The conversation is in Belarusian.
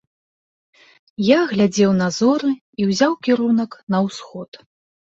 Я глядзеў на зоры і ўзяў кірунак на ўсход.